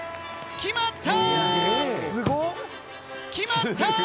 決まった！